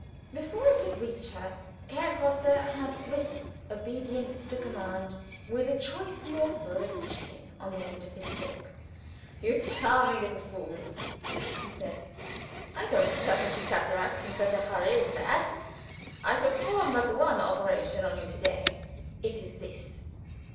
Before I could reach her, Herr Grosse had risen, obedient to command, with a choice morsel of chicken on the end of his fork. "You charming little fools," he said, "I don't cut into cataracts in such a hurry as that. I perform but one operations on you to day. It is this!"